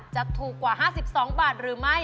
จะถูกกว่า๕๒บาทหรือไม่